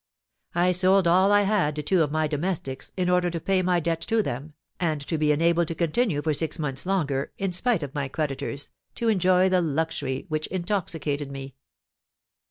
I sold all I had to two of my domestics in order to pay my debt to them, and to be enabled to continue for six months longer, in spite of my creditors, to enjoy the luxury which intoxicated me.